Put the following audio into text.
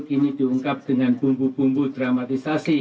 kini diungkap dengan bumbu bumbu dramatisasi